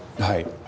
はい。